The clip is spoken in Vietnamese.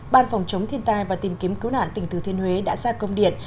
ban phòng chống thiên tai và tìm kiếm cứu nạn tỉnh thừa thiên huế đã ra công điện